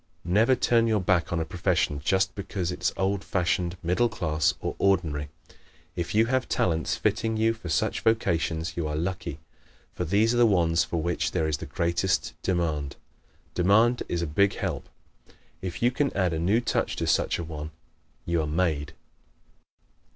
Never turn your back on a profession just because it is old fashioned, middle class or ordinary. If you have talents fitting you for such vocations you are lucky, for these are the ones for which there is the greatest demand. Demand is a big help. If you can add a new touch to such a one you are made.